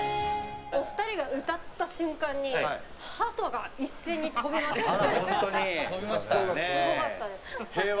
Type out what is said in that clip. お二人が歌った瞬間にハトが一斉に飛びました。